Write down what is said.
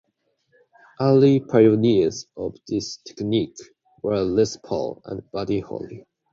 Early pioneers of this technique were Les Paul and Buddy Holly.